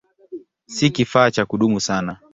Si kifaa cha kudumu sana.